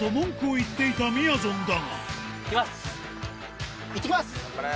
いってきます！